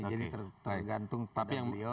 jadi tergantung pada video